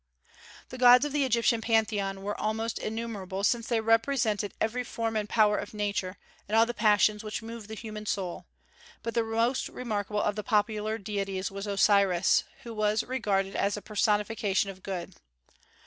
The gods of the Egyptian Pantheon were almost innumerable, since they represented every form and power of Nature, and all the passions which move the human soul; but the most remarkable of the popular deities was Osiris, who was regarded as the personification of good.